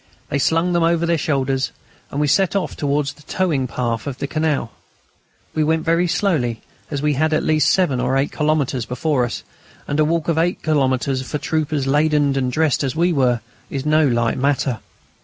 They slung them over their shoulders, and we set off towards the towing path of the canal. We went very slowly, as we had at least seven or eight kilometres before us, and a walk of eight kilometres for troopers laden and dressed as we were is no light matter.